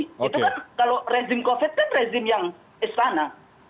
itu kan kalau rezim covid kan rezim yang istana